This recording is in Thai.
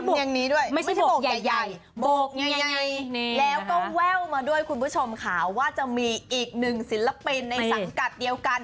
แล้วก็แว่วมาด้วยคุณผู้ชมค่ะว่าจะมีอีกหนึ่งศิลปินในสังกัดเดียวกัน